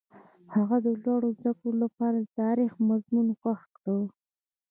هغه د لوړو زده کړو لپاره د تاریخ مضمون خوښ کړ.